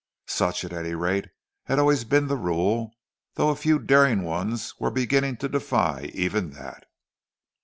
Such, at any rate, had always been the rule, though a few daring ones were beginning to defy even that.